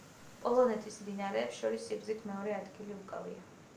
პოლონეთის მდინარეებს შორის სიგრძით მეორე ადგილი უკავია.